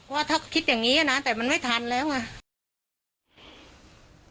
ว่าถ้าคิดอย่างนี้นะแต่มันไม่ทันแล้วไง